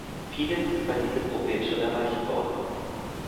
Vieles ist bei diesem Problem schon erreicht worden.